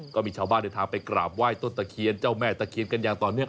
ก็มีชาวบ้านเดินทางไปกราบไหว้ต้นตะเคียนเจ้าแม่ตะเคียนกันอย่างต่อเนื่อง